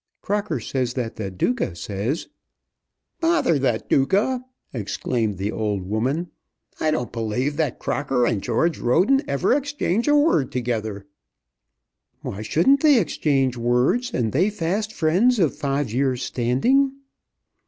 Crocker says that the Duca says " "Bother the Duca," exclaimed the old woman. "I don't believe that Crocker and George Roden ever exchange a word together." "Why shouldn't they exchange words, and they fast friends of five years' standing?